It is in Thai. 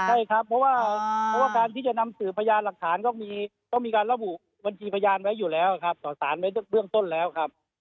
ใช่ครับเพราะว่าการที่จะนำสื่อพยานหลักฐานก็ต้องมีการระบุบัญชีพยานไว้อยู่แล้วครับต่อสารไว้เบื้องต้นแล้วครับ